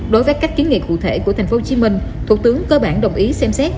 đối với các kiến nghị cụ thể của tp hcm thủ tướng cơ bản đồng ý xem xét